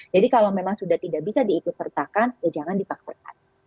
jadi kalau memang sudah tidak bisa diikut sertakan ya jangan dipaksakan